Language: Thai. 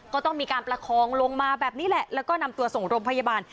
ก็ต้องมีการประคองลงมาแบบนี้แหละแล้วก็นำตัวส่งโรงพยาบาล